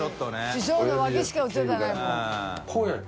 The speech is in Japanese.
師匠の脇しか写ってないもん。